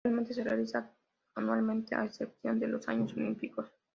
Actualmente se realiza anualmente, a excepción de los años olímpicos.